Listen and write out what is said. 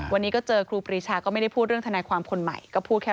วันนี้ก็เจอครูปรีชาก็ไม่ได้พูดเรื่องทนายความคนใหม่ก็พูดแค่